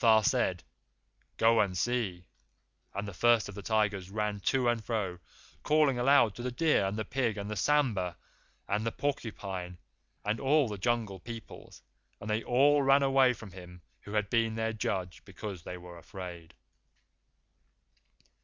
Tha said, 'Go and see.' And the First of the Tigers ran to and fro, calling aloud to the deer and the pig and the sambhur and the porcupine and all the Jungle Peoples, and they all ran away from him who had been their judge, because they were afraid.